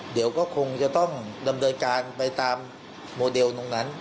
เดี๋ยวก็คงจะต้องดำเนินการไปตามโมเดลตรงนั้น